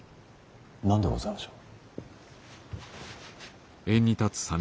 何でございましょう。